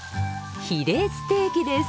ヒレステーキです。